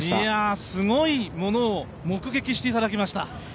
すごいものを目撃していただきました。